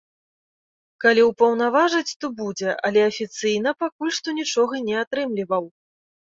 Калі ўпаўнаважаць, то будзе, але афіцыйна пакуль што нічога не атрымліваў.